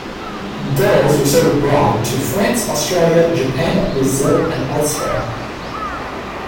Gulls were sold abroad, to France, Australia, Japan, Brazil and elsewhere.